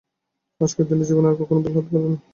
আজকের দিন জীবনে আর কখনো ভুলতে পারব না।